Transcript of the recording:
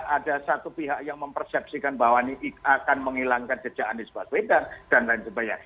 ada satu pihak yang mempersepsikan bahwa ini akan menghilangkan kerjaan di sebuah beda